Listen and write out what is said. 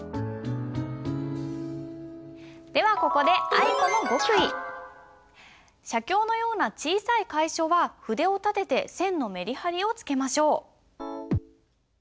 ではここで写経のような小さい楷書は筆を立てて線のメリハリをつけましょう。